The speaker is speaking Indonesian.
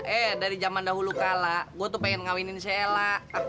eh dari zaman dahulu kala gua tuh pengen ngawinin si ella